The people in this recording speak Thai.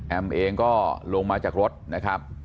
เองก็ลงมาจากรถนะครับ